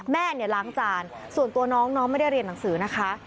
เนี่ยล้างจานส่วนตัวน้องน้องไม่ได้เรียนหนังสือนะคะ